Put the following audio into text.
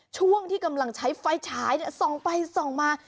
ช่วงที่กำลังใช้ไฟฉายส่องไปส่องมา